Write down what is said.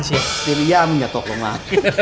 สิริย่ามึงอย่าตกลงมา